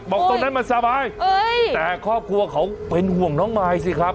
ตรงนั้นมันสบายแต่ครอบครัวเขาเป็นห่วงน้องมายสิครับ